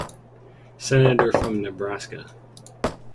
Senator from Nebraska.